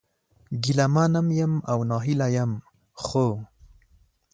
ګيله من هم يم او ناهيلی هم ، خو